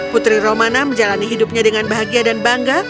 putri romana menjalani hidupnya dengan bahagia dan bangga